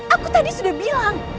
aku tadi sudah bilang